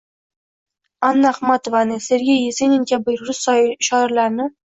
Anna Axmatovani, Sergey Yesenin kabi rus shoirlarini